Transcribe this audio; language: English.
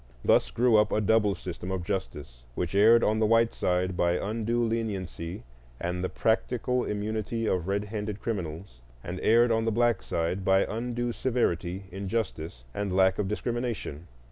Thus grew up a double system of justice, which erred on the white side by undue leniency and the practical immunity of red handed criminals, and erred on the black side by undue severity, injustice, and lack of discrimination.